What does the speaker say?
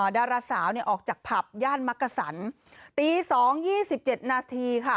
ดาราสาวออกจากผับย่านมักกระสันตี๒นาที๒๗นาทีค่ะ